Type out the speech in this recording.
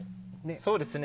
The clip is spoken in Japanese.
そうですね。